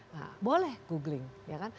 nah boleh googling ya kan